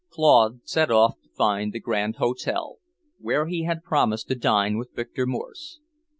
II Claude set off to find the Grand Hotel, where he had promised to dine with Victor Morse.